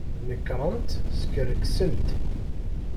Nekṛent skerksent.